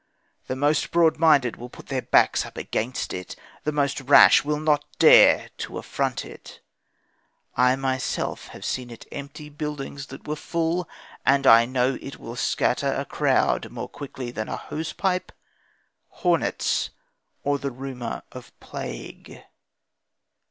The most broad minded will put their backs up against it. The most rash will not dare to affront it. I myself have seen it empty buildings that had been full; and I know that it will scatter a crowd more quickly than a hose pipe, hornets, or the rumour of plague.